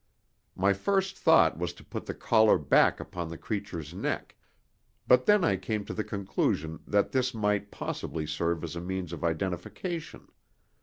My first thought was to put the collar back upon the creature's neck; but then I came to the conclusion that this might possibly serve as a means of identification.